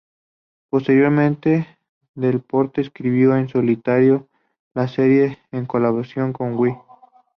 Posteriormente, Delporte escribió en solitario la serie en colaboración con Will.